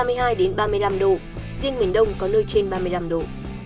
nhiệt độ cao nhất từ ba mươi hai ba mươi năm độ riêng miền đông có nơi trên ba mươi năm độ